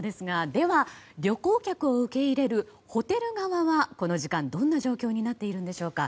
では、旅行客を受け入れるホテル側は、この時間どんな状況になっているんでしょうか。